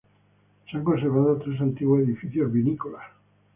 Se han conservado tres antiguos edificios vinícolas.